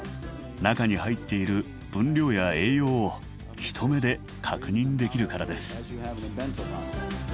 中に入っている分量や栄養を一目で確認できるからです。